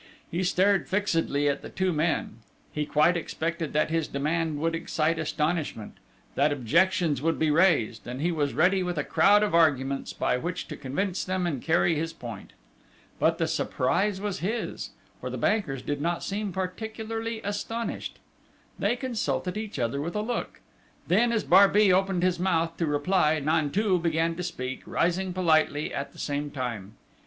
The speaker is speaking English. He stared fixedly at the two men; he quite expected that his demand would excite astonishment; that objections would be raised; and he was ready with a crowd of arguments by which to convince them and carry his point.... But, the surprise was his, for the bankers did not seem particularly astonished. They consulted each other with a look. Then, as Barbey opened his mouth to reply, Nanteuil began to speak, rising politely at the same time.